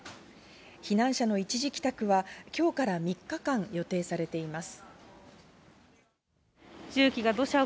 避難者の一時帰宅は今日から３日間予定されています。